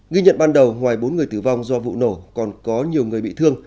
ghi nhận ban đầu ngoài bốn người tử vong do vụ nổ còn có nhiều người bị thương